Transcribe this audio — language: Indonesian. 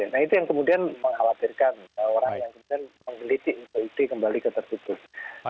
nah itu yang kemudian mengkhawatirkan orang yang kemudian menggelitik kembali ke tertutup